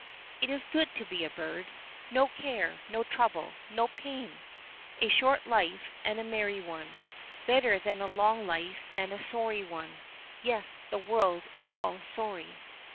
It is good to be a bird. No care, no trouble. No pain! A short life and a merry one. Better than a long life and a sorry one. Yes, the world is all sorry.